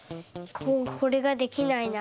これができないな。